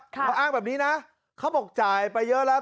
เขาอ้างแบบนี้นะเขาบอกจ่ายไปเยอะแล้ว